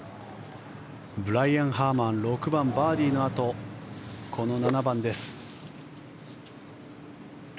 ブライアン・ハーマン６番、バーディーのあとこの７番です。